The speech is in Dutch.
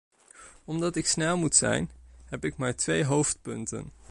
Omdat ik snel moet zijn, heb ik maar twee hoofdpunten.